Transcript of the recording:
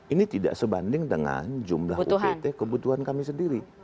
ini tidak sebanding dengan jumlah upt kebutuhan kami sendiri